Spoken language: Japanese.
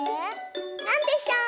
なんでしょう？